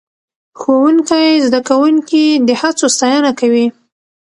ښوونکی زده کوونکي د هڅو ستاینه کوي